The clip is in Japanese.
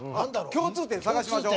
共通点探しましょう。